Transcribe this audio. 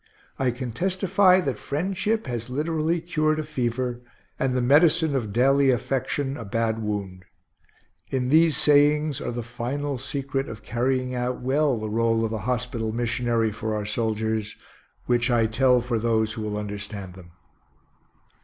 I can testify that friendship has literally cured a fever, and the medicine of daily affection, a bad wound. In these sayings are the final secret of carrying out well the rôle of a hospital missionary for our soldiers, which I tell for those who will understand them.